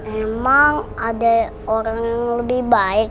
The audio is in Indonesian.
memang ada orang yang lebih baik